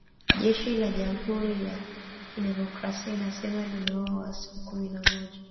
Jeshi la jamhuri ya kidemokrasia linasema limeua waasi kumi na moja